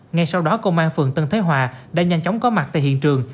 ngay sau đó công an phường tân thế hòa đã nhanh chóng có mặt tại hiện trường